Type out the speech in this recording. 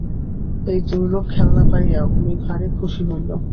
এই দুর্লভ খেলনা পাইয়া উমি ভারি খুশি হইল।